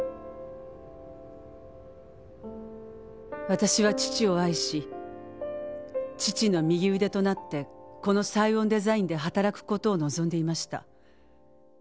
「私は父を愛し父の右腕となってこのサイオンデザインで働く事を望んでいました」